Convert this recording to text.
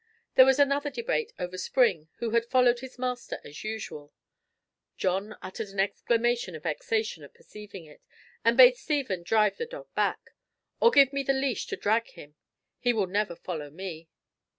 There was another debate over Spring, who had followed his master as usual. John uttered an exclamation of vexation at perceiving it, and bade Stephen drive the dog back. "Or give me the leash to drag him. He will never follow me."